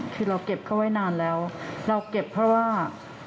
คือเราเก็บเขาไว้นานแล้วเราเก็บเพราะว่า